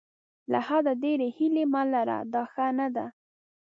له حده ډېرې هیلې مه لره دا ښه نه ده.